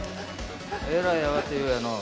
えらい慌てようやのう。